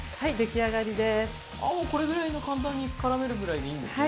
ああもうこれぐらいの簡単にからめるくらいでいいんですね。